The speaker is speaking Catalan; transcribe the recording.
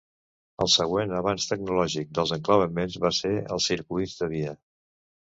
El següent avanç tecnològic dels enclavaments va ser els circuits de via.